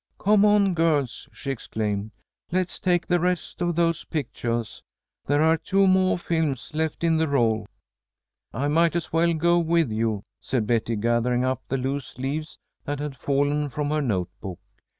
"Come on, girls," she exclaimed. "Let's take the rest of those pictuahs. There are two moah films left in the roll." "I might as well go with you," said Betty, gathering up the loose leaves that had fallen from her note book.